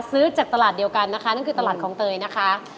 ซื้อจากตลาดเดียวกันนะคะนั่นคือตลาดคลองเตยนะคะ